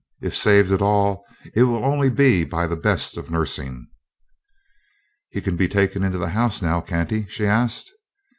If saved at all, it will only be by the best of nursing." "He can be taken into the house now, can't he?" she asked.